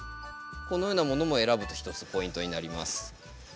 このようなものも選ぶと一つポイントになります。